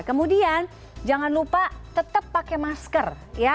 kemudian jangan lupa tetap pakai masker